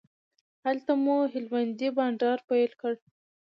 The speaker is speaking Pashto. هلته مو هلمندی بانډار پیل کړ.